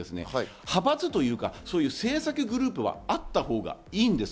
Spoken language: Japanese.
派閥というか、政策グループはあったほうがいいんです。